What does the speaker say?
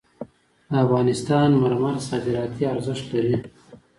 د افغانستان مرمر صادراتي ارزښت لري